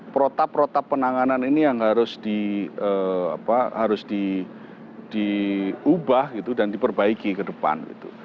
protap protap penanganan ini yang harus diubah dan diperbaiki ke depan